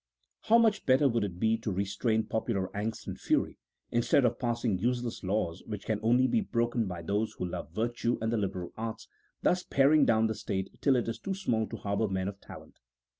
263 How much better would it be to restrain popular angei and fury, instead of passing useless laws, which can only be broken by those who love virtue and the liberal arts, thus paring down the state till it is too small to harbour men of talent.